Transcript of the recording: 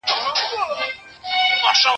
زه پرون د سبا لپاره د درسونو يادوم